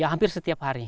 ya hampir setiap hari